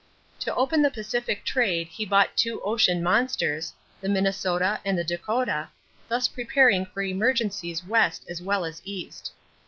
To open the Pacific trade he bought two ocean monsters, the Minnesota and the Dakota, thus preparing for emergencies West as well as East.